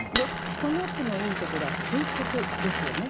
この句のいいところは「垂直」ですよね。